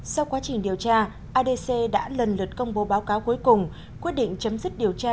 sau quá trình điều tra adc đã lần lượt công bố báo cáo cuối cùng quyết định chấm dứt điều tra